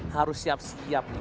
harus siap siap nih